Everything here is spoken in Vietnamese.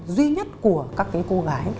duy nhất của các cái cô gái